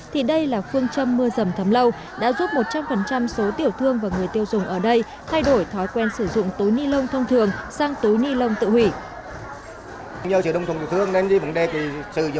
thì đây là phương châm mưa rầm thấm lâu đã giúp một trăm linh số tiểu thương và người tiêu dùng ở đây thay đổi thói quen sử dụng túi ni lông thông thường sang túi ni lông tự hủy